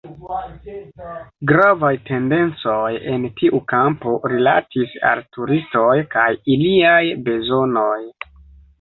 Gravaj tendencoj en tiu kampo rilatis al turistoj kaj iliaj bezonoj.